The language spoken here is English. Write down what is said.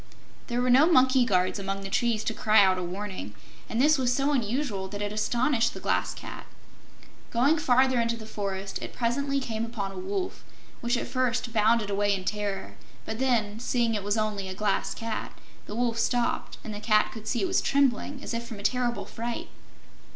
There were no monkey guards among the trees to cry out a warning, and this was so unusual that it astonished the Glass Cat. Going farther into the forest it presently came upon a wolf, which at first bounded away in terror. But then, seeing it was only a Glass Cat, the Wolf stopped, and the Cat could see it was trembling, as if from a terrible fright.